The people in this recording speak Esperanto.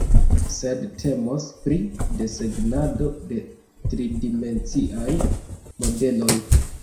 sed temos pri desegnado de tridimenciaj modeloj